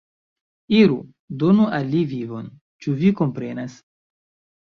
Iru, donu al li vinon, ĉu vi komprenas?